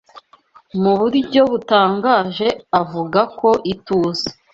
Mu buryo butangaje avuga ko ituze